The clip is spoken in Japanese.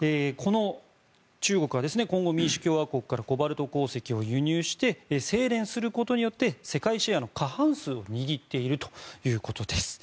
中国はコンゴ民主共和国からコバルト鉱石を輸入して製錬することによって世界シェアの過半数を握っているということです。